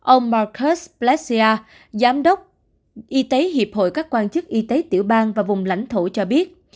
ông markets plasia giám đốc y tế hiệp hội các quan chức y tế tiểu bang và vùng lãnh thổ cho biết